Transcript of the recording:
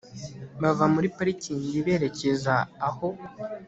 bava muri parikingi berekeza aho